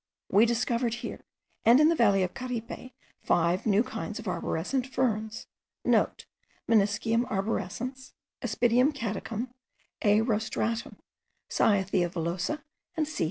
We discovered here, and in the valley of Caripe, five new kinds of arborescent ferns.* (* Meniscium arborescens, Aspidium caducum, A. rostratum, Cyathea villosa, and C.